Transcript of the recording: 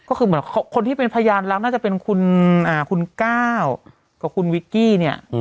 ก็คือเหมือนคนที่เป็นพยานรักน่าจะเป็นคุณก้าวกับคุณวิกกี้เนี่ย